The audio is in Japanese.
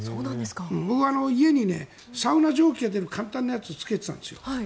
僕は、家にサウナ蒸気が出る簡単なやつをつけてたんですよ。